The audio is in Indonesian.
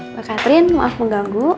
mbak katrin maaf mengganggu